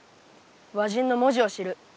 和人の文字を知る。